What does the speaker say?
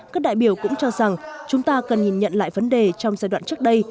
các đại biểu cũng cho rằng chúng ta cần nhìn nhận lại vấn đề trong giai đoạn trước đây